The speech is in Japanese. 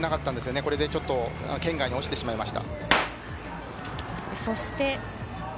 これでちょっと圏外に落ちてしまいました。